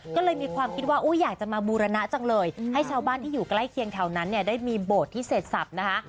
ก็เลยมีความคิดว่าอยากจะมาบูรณะจังเลยให้ชาวบ้านที่อยู่ใกล้เคียงแถวนั้นเนี่ยได้มีโบสถ์ที่เสร็จสับนะคะ